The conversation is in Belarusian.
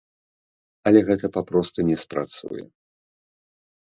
Але гэта папросту не спрацуе.